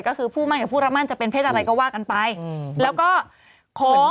ก็คือผู้มั่นกับผู้รับมั่นจะเป็นเพศอะไรก็ว่ากันไปอืมแล้วก็ของ